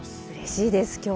うれしいです。